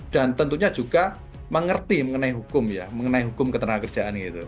dan tentunya juga mengerti mengenai hukum ya mengenai hukum ketenaga kerjaan gitu